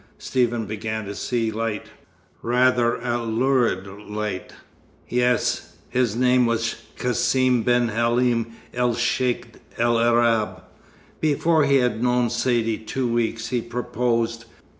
Stephen began to see light rather a lurid light. "Yes. His name was Cassim ben Halim el Cheikh el Arab. Before he had known Saidee two weeks, he proposed.